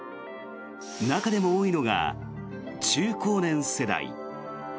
中でも多いのが中高年世代。